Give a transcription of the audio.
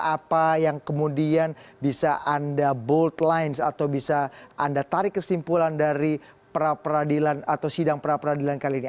apa yang kemudian bisa anda boldlines atau bisa anda tarik kesimpulan dari pra peradilan atau sidang pra peradilan kali ini